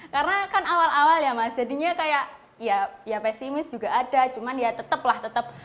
karena kan awal awal ya mas jadinya kayak ya pesimis juga ada cuman ya tetap lah tetap